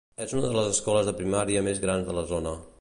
És una de les escoles de primària més grans de la zona.